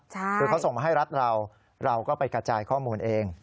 คือเขาส่งมาให้รัฐเราเราก็ไปกระจายข้อมูลเอง